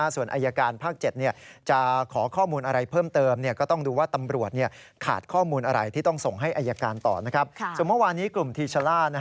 ส่วนเมื่อวานนี้กลุ่มธีชลาด